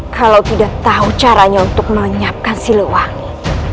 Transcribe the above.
kalau tidak tahu caranya untuk menyiapkan si lewangi